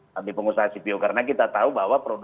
nanti pengusaha cpo karena kita tahu bahwa